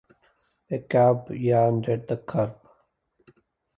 A cab yawned at the curb.